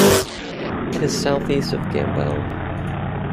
It is southeast of Gambell.